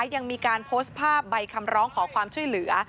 ยังมีการโพสต์ภาพใบคำร้องขอความช่วยเหลือ